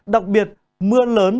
đặc biệt mưa lớn